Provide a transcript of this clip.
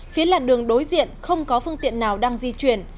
phía làn đường đối diện không có phương tiện nào đang di chuyển